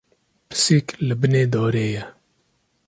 Pisîk li binê darê ye.